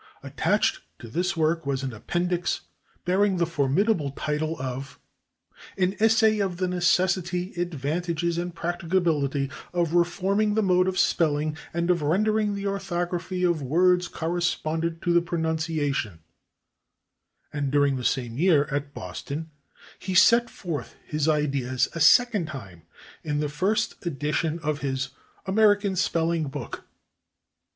Attached to this work was an appendix bearing the formidable title of "An Essay on the Necessity, Advantages and Practicability of Reforming the Mode of Spelling, and of Rendering the Orthography of Words Correspondent to the Pronunciation," and during the same year, at Boston, he set forth his ideas a second time in the first edition of his "American Spelling Book."